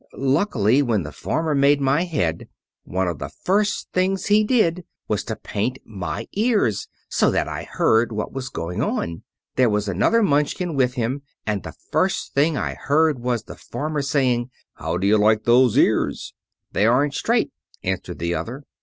Luckily, when the farmer made my head, one of the first things he did was to paint my ears, so that I heard what was going on. There was another Munchkin with him, and the first thing I heard was the farmer saying, 'How do you like those ears?' "'They aren't straight,'" answered the other.